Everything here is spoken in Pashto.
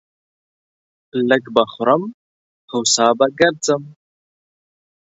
لږ به خورم ، هو سا به گرځم.